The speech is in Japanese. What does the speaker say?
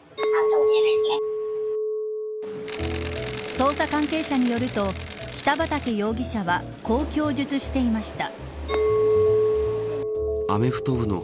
捜査関係者によると北畠容疑者はこう供述していました。